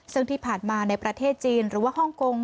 ซึ่งที่ผ่านมาในประเทศจีนหรือว่าฮ่องกง